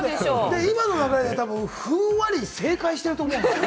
今の流れでふんわり正解してると思うのよ。